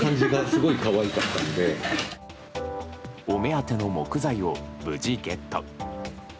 お目当ての木材を無事ゲット。